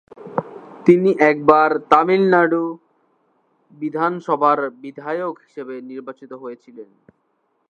তিনি একবার তামিলনাড়ু বিধানসভার বিধায়ক হিসেবে নির্বাচিত হয়েছিলেন।